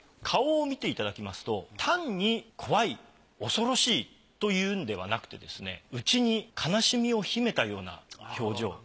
顔を見ていただきますと単に怖い恐ろしいというのではなくてですね内に悲しみを秘めたような表情。